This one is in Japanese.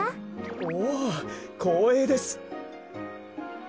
おおこうえいです。